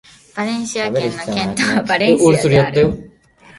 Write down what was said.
バレンシア県の県都はバレンシアである